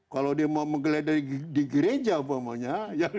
kalau dia mau menggeledah di gereja apa maunya